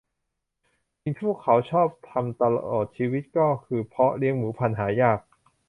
สิ่งที่พวกเขาชอบทำตลอดชีวิตก็คือเพาะเลี้ยงหมูพันธุ์หายาก